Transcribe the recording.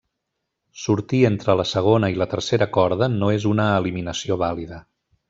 Sortir entre la segona i la tercera corda no és una eliminació vàlida.